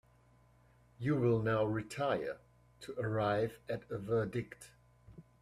You will now retire to arrive at a verdict.